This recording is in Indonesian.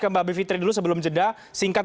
ke mbak bivitri dulu sebelum jeda singkat